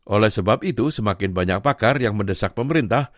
oleh sebab itu semakin banyak pakar yang mendesak pemerintah